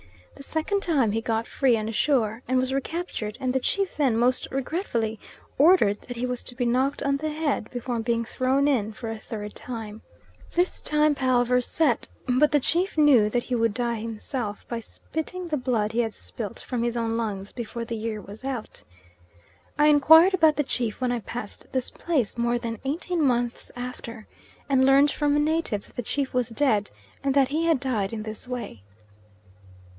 The second time he got free and ashore, and was recaptured, and the chief then, most regretfully, ordered that he was to be knocked on the head before being thrown in for a third time. This time palaver set, but the chief knew that he would die himself, by spitting the blood he had spilt, from his own lungs, before the year was out. I inquired about the chief when I passed this place, more than eighteen months after, and learnt from a native that the chief was dead, and that he had died in this way.